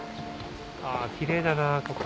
キレイだなここ。